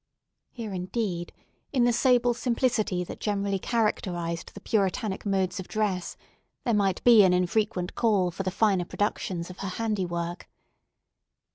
Here, indeed, in the sable simplicity that generally characterised the Puritanic modes of dress, there might be an infrequent call for the finer productions of her handiwork.